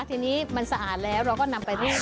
ทีนี้มันสะอาดแล้วเราก็นำไปเรียบ